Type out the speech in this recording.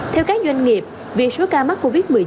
theo các doanh nghiệp vì số ca mắc covid một mươi chín